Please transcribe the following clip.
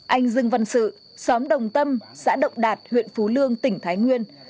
anh dương văn sự xóm đồng tâm xã động đạt huyện phú lương tỉnh thái nguyên